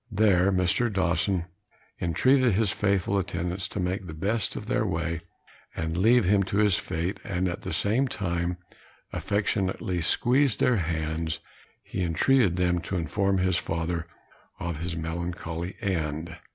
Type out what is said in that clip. There Mr. Dawson entreated his faithful attendants to make the best of their way, and leave him to his fate; and at the same time, affectionately squeezing their hands, he entreated them to inform his father of his melancholy end.